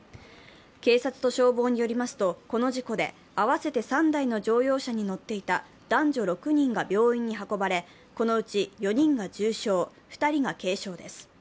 警察と消防によりますとこの事故で合わせて３台の乗用車に乗っていた男女６人が病院に運ばれ、このうち４人が重傷、２人が軽傷です。